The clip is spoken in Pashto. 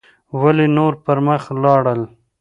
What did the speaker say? ولې نور پر مخ لاړل